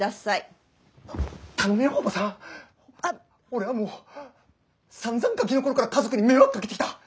俺はもうさんざんガキの頃から家族に迷惑かけてきた。